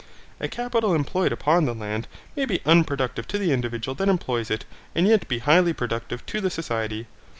A capital employed upon land may be unproductive to the individual that employs it and yet be highly productive to the society.